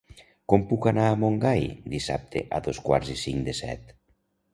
Com puc anar a Montgai dissabte a dos quarts i cinc de set?